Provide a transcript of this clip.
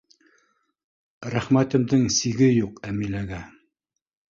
Рәхмәтемдең сиге юҡ Әмиләгә.